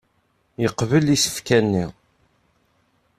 Yeqbel isefka-nni.